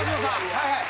はいはい。